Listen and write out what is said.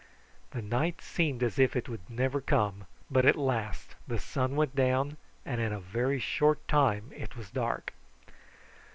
The night seemed as if it would never come, but at last the sun went down, and in a very short time it was dark.